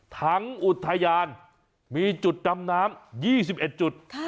อุทยานมีจุดดำน้ำ๒๑จุด